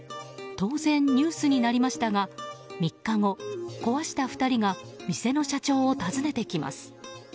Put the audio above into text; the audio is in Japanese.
当然、ニュースになりましたが３日後、壊した２人が店の社長を訪ねてきます。